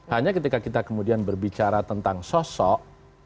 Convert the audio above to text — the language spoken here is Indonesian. hanya ketika kita kemudian berbicara tentang sosok